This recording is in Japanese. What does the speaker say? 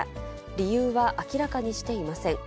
理由は明らかにしていません。